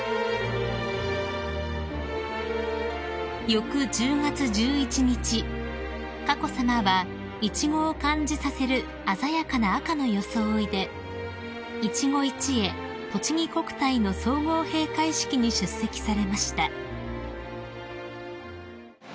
［翌１０月１１日佳子さまはイチゴを感じさせる鮮やかな赤の装いでいちご一会とちぎ国体の総合閉会式に出席されました］